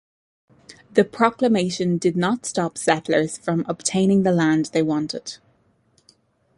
The proclamation did not stop settlers from obtaining the land they wanted.